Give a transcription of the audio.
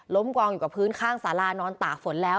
กองอยู่กับพื้นข้างสารานอนตากฝนแล้ว